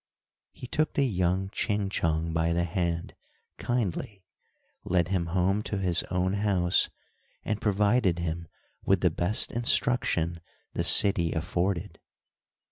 He took the young Ching Chong by the hand, kindly, led him home to his own house, and provided him with the best instruction the city afforded.